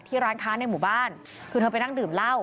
ร้านค้าในหมู่บ้านคือเธอไปนั่งดื่มเหล้า